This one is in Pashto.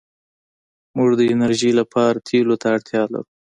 موټر د انرژۍ لپاره تېلو ته اړتیا لري.